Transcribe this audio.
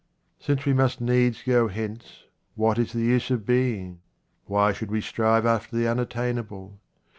Since we must needs go hence, what is the use of being ? Why should we strive after the unattainable